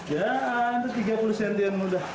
ya tiga puluh cm yang mudah